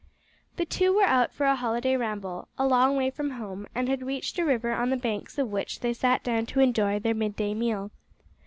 The two were out for a holiday ramble, a long way from home, and had reached a river on the banks of which they sat down to enjoy their mid day meal.